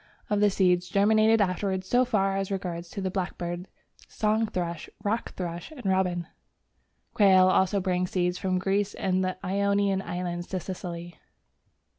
of the seeds germinated afterwards so far as regards the blackbird, song thrush, rock thrush, and robin. Quail also bring seeds from Greece and the Ionian Islands to Sicily.